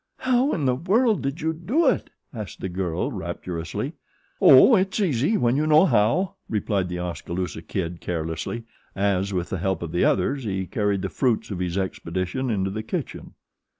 "How in the world did you do it?" asked the girl, rapturously. "Oh, it's easy when you know how," replied The Oskaloosa Kid carelessly, as, with the help of the others, he carried the fruits of his expedition into the kitchen.